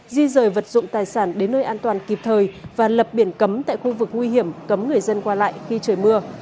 di rời vật dụng tài sản đến nơi an toàn kịp thời và lập biển cấm tại khu vực nguy hiểm cấm người dân qua lại khi trời mưa